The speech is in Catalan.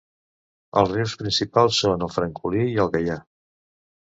Els rius principals són el Francolí i el Gaià.